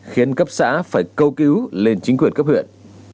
khiến cấp xã phải câu cứu lên chính quyền cấp huyện